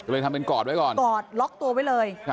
ทำเป็นกอดไว้ก่อนกอดล็อกตัวไว้เลย